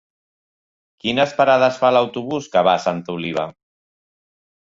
Quines parades fa l'autobús que va a Santa Oliva?